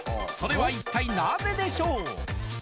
それは一体なぜでしょう？